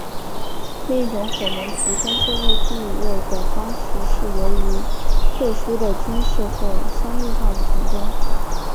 另一种可能提升社会地位的方式是由于特殊的军事或商业上的成功。